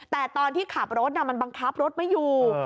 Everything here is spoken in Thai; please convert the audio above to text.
แต่ตอนที่ขับรถมันบังคับรถไม่อยู่